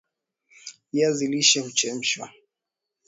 viazi lishe huchemshwa